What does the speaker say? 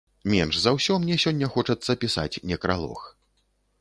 Менш за ўсё мне сёння хочацца пісаць некралог.